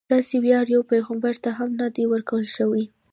داسې ویاړ یو پیغمبر ته هم نه دی ورکړل شوی.